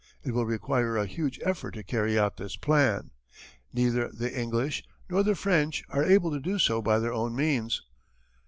It will require a huge effort to carry out this plan. Neither the English nor the French are able to do so by their own means.